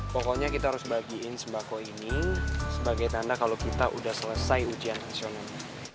pokoknya kita harus bagiin sembako ini sebagai tanda kalau kita sudah selesai ujian nasionalnya